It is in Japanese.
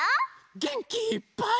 げんきいっぱい。